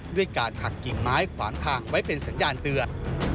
ด้วยการหักกิ่งไม้ขวางทางไว้เป็นสัญญาณเตือน